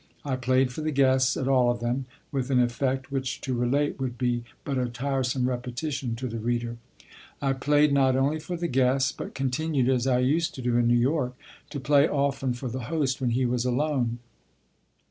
I played for the guests at all of them with an effect which to relate would be but a tiresome repetition to the reader. I played not only for the guests, but continued, as I used to do in New York, to play often for the host when he was alone.